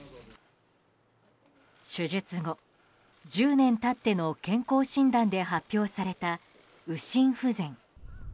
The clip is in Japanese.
手術後、１０年経っての健康診断で発表された右心不全。